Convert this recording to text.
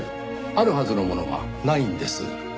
あるはずのものがないんです。